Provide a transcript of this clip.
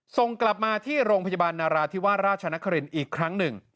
ส่งกลับมาที่โรงพยาบาลนาราธิวาสราชนครินทร์อีกครั้งหนึ่ง